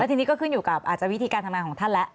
ทีนี้ก็ขึ้นอยู่กับอาจจะวิธีการทำงานของท่านแล้ว